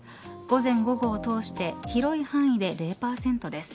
午前午後を通して広い範囲で０％です。